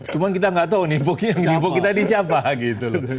cuma kita nggak tahu nih nipuk kita di siapa gitu loh